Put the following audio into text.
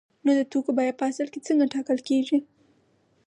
نو د توکو بیه په اصل کې څنګه ټاکل کیږي؟